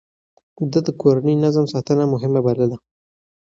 ده د کورني نظم ساتنه مهمه بلله.